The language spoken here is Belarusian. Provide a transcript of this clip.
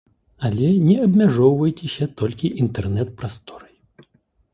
Але не абмяжоўвайцеся толькі інтэрнэт-прасторай.